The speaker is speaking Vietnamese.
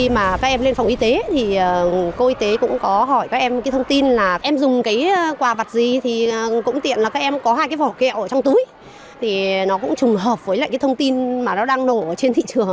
và được đưa vào phòng y tế